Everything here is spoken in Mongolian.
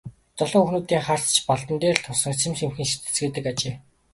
Залуу хүүхнүүдийн харц ч Балдан дээр л тусан сэмхэн сэмхэн ширтэцгээдэг ажээ.